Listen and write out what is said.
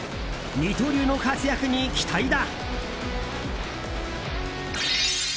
二刀流の活躍に期待だ！